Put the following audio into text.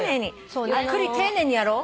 ゆっくり丁寧にやろう。